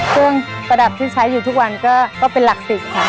เครื่องประดับที่ใช้อยู่ทุกวันก็เป็นหลัก๑๐ค่ะ